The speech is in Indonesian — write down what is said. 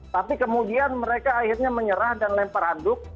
tapi kemudian mereka akhirnya menyerah dan lempar handuk